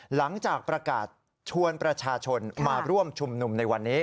หลังจากประกาศชวนประชาชนมาร่วมชุมนุมในวันนี้